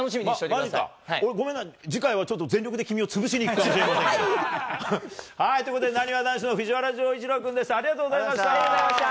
俺、ごめんな、次回はちょっと、全力で君を潰しにいくかもしれない。ということで、なにわ男子の藤原丈一郎君でした。